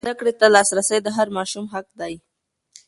زده کړې ته لاسرسی د هر ماشوم حق دی.